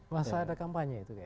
masa ada kampanye itu